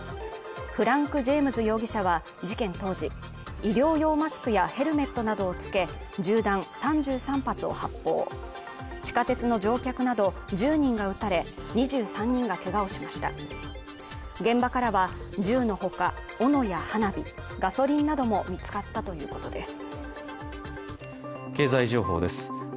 フランク・ジェームズ容疑者は事件当時医療用マスクやヘルメットなどを着け銃弾３３発を発砲地下鉄の乗客など１０人が撃たれ２３人がけがをしました現場からは銃のほか斧や花火ガソリンなども見つかったということです